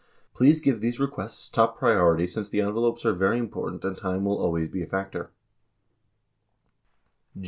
Please give these requests top priority since the envelopes are very important and time will always be a factor.